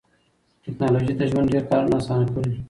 ټکنالوژي د ژوند ډېر کارونه اسانه کړي